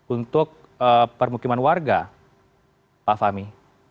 untuk permukiman warga pak fahmi